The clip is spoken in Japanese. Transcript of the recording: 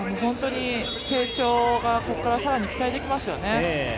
成長がここから更に期待できますよね。